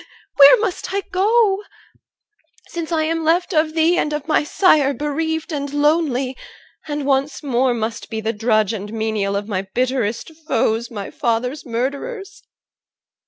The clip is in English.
Where must I go? Since I am left of thee and of my sire Bereaved and lonely, and once more must be The drudge and menial of my bitterest foes, My father's murderers.